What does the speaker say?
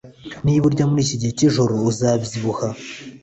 Niba urya muri iki gihe cyijoro, uzabyibuha.